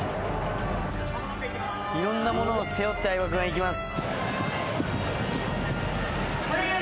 いろんなものを背負って相葉君がいきます。